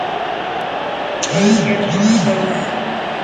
پهرين ڪڙو ڪم ڪيو هو.